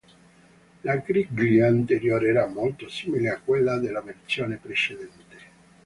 La griglia anteriore era molto simile a quella della versione precedente.